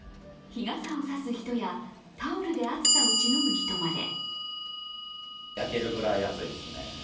日傘を差す人やタオルで暑さをしのぐ人まで。